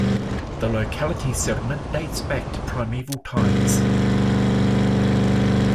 The locality settlement dates back to primeval times.